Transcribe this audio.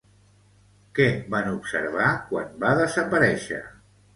Què van observar quan va desaparèixer?